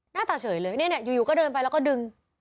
หน้าตาเฉยเลยเนี่ยอยู่ก็เดินไปแล้วก็ดึง